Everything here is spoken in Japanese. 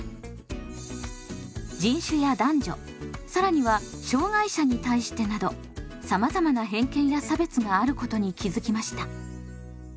人種や男女更には障害者に対してなどさまざまな偏見や差別があることに気付きました。